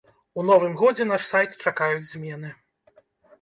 У новым годзе наш сайт чакаюць змены.